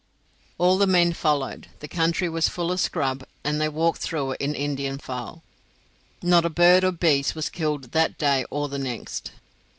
All the men followed. The country was full of scrub, and they walked through it in Indian file. Not a bird or beast was killed that day or the next.